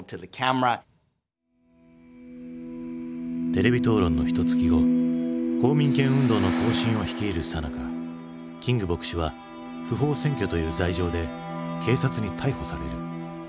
テレビ討論のひとつき後公民権運動の行進を率いるさなかキング牧師は不法占拠という罪状で警察に逮捕される。